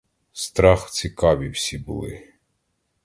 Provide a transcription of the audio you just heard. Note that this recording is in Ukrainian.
Страх цікаві всі були.